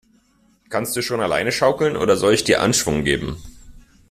Kannst du schon alleine schaukeln, oder soll ich dir Anschwung geben?